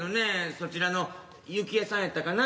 そちらの幸恵さんやったかな。